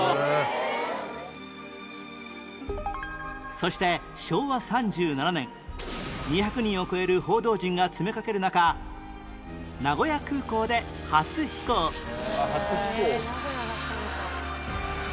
そして昭和３７年２００人を超える報道陣が詰めかける中名古屋空港で初飛行へえ名古屋だったのか。